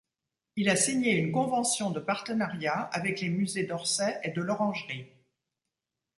Il a signé une convention de partenariat avec les musées d’Orsay et de l’Orangerie.